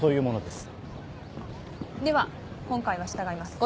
では今回は従います。